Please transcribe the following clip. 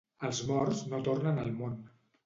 Els morts no tornen al món.